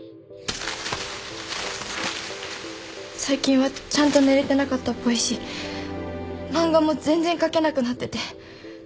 最近はちゃんと寝れてなかったっぽいし漫画も全然描けなくなってて。